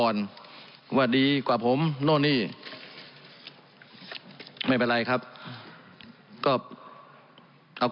อุ้ยไปเปรียบเที่ยวมันยังไม่โกรธตายหรอ